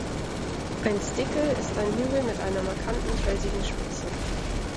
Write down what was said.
Ein „Stickle“ ist ein Hügel mit einer markanten felsigen Spitze.